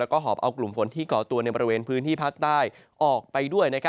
แล้วก็หอบเอากลุ่มฝนที่เกาะตัวในบริเวณพื้นที่ภาคใต้ออกไปด้วย